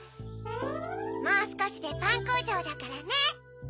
もうすこしでパンこうじょうだからね。